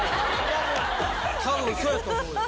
多分そうやと思うよ。